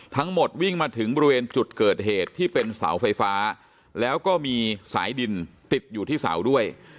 ทั้งหมดวิ่งมาถึงบริเวณจุดเกิดเหตุที่เป็นเสาไฟฟ้าแล้วก็มีสายดินติดอยู่ที่เสาด้วย